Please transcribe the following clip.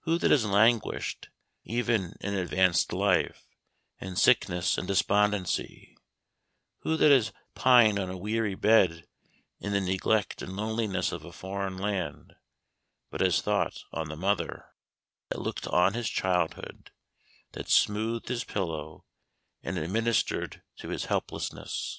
Who that has languished, even in advanced life, in sickness and despondency, who that has pined on a weary bed in the neglect and loneliness of a foreign land, but has thought on the mother "that looked on his childhood," that smoothed his pillow, and administered to his helplessness?